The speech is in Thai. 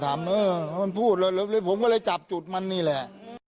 เออมันพูดเลยผมก็เลยจับจุดมันนี่แหละ